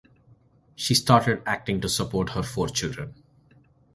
She started acting to support her four children.